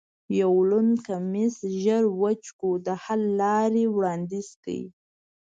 یو لوند کمیس زر وچ کړو، د حل لارې وړاندیز کړئ.